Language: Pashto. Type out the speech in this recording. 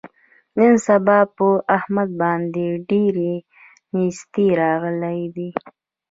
نن سبا په احمد باندې ډېره نیستي راغلې ده.